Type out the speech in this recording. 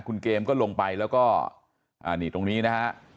คุณเกมก็ลงไปแล้วก็นี่ตรงนี้นะฮะ